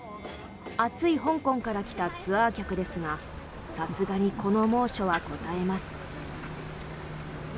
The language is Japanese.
暑い香港から来たツアー客ですがさすがにこの猛暑はこたえます。